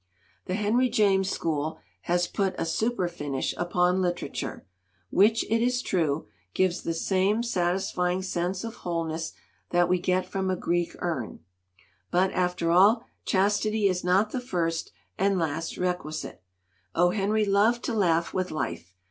"The Henry James school has put a super finish upon literature which, it is true, gives the same satisfying sense of wholeness that we get from a Greek urn. But, after all, chastity is not the first and last requisite. O. Henry loved to laugh with life!